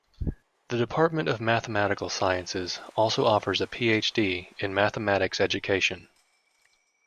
The Department of Mathematical Sciences also offers a Ph.D. in Mathematics Education.